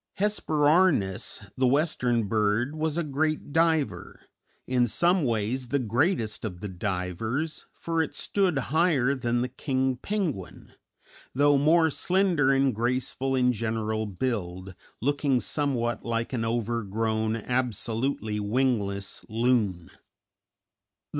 Hesperornis, the western bird, was a great diver, in some ways the greatest of the divers, for it stood higher than the king penguin, though more slender and graceful in general build, looking somewhat like an overgrown, absolutely wingless loon.